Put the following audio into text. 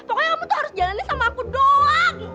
pokoknya kamu tuh harus jalanin sama aku doang